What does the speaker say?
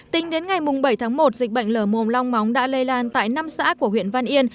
tính đến ngày bảy tháng một dịch bệnh lở mồm long móng đã lây lan tại năm xã của huyện văn yên